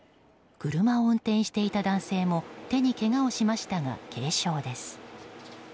車を運転していた男性も手にけがをしましたが軽傷です。